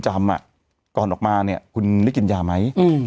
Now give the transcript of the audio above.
จำอ่ะก่อนออกมาเนี้ยคุณได้กินยาไหมอืม